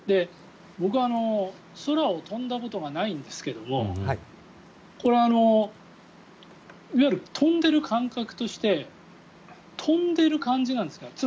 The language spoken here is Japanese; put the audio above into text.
僕は空を飛んだことがないんですけどもこれいわゆる飛んでいる感覚として飛んでいる感じなんですか？